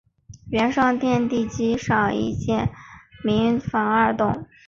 原上殿地基上已建民房二幢。